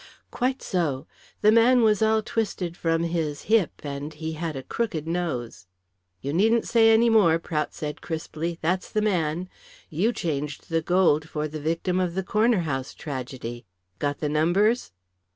"Quite so. The man was all twisted from his hip, and he had a crooked nose." "You needn't say any more," Prout said crisply. "That's the man. You changed the gold for the victim of the Corner House tragedy. Got the numbers?"